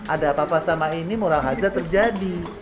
ada apa apa sama ini mural aja terjadi